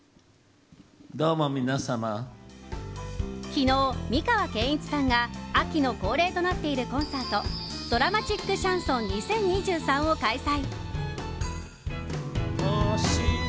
昨日、美川憲一さんが秋の恒例となっているコンサート「ドラマチックシャンソン２０２３」を開催。